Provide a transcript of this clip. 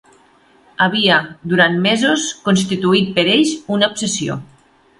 Havia, durant mesos, constituït per ells una obsessió